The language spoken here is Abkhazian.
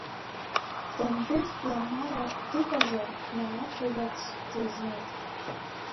Даныҩдәылҵ Ламара, дыҟазар дналацәажәарц, длызнеит.